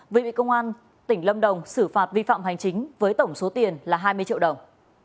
vừa bị công an tỉnh lâm đồng xử phạt vi phạm hành chính với tổng số tiền là hai mươi triệu đồng